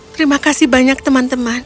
terima kasih banyak teman teman